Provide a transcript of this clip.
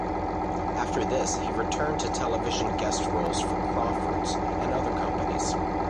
After this he returned to television guest roles for Crawfords, and other companies.